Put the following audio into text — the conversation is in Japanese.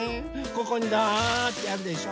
ここにザーってやるでしょ。